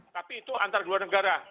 tapi itu antar dua negara